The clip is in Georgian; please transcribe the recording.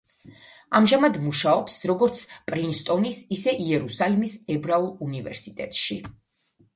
ამჟამად მუშაობს, როგორც პრინსტონის, ისე იერუსალიმის ებრაულ უნივერსიტეტში.